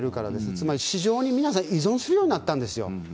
つまり市場に皆さん依存するようになったんですよ。